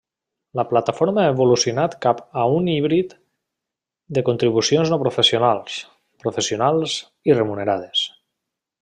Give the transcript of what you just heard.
La plataforma ha evolucionat cap a un híbrid de contribucions no professionals, professionals i remunerades.